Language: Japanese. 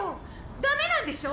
ダメなんでしょ！？